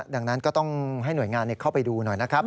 ดังนั้นก็ต้องให้หน่วยงานเข้าไปดูหน่อยนะครับ